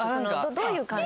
どういう感じ？